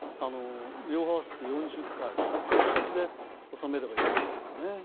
両方合わせて４０回という形で収めればいいんじゃないですかね。